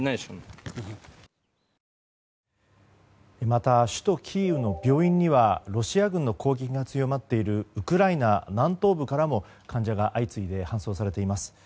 また首都キーウの病院にはロシア軍の攻撃が強まっているウクライナ南東部からの患者が相次いで搬送されています。